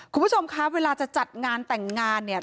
คุณผู้ชมคะเวลาจะจัดงานแต่งงานเนี่ย